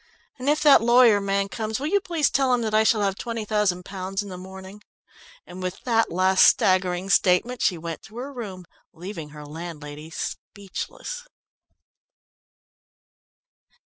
"And if that lawyer man comes, will you please tell him that I shall have twenty thousand pounds in the morning," and with that last staggering statement, she went to her room, leaving her landlady speechless.